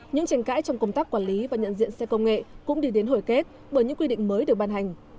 những tranh cãi trong công tác quản lý và nhận diện xe công nghệ cũng đi đến hồi kết bởi những quy định mới được ban hành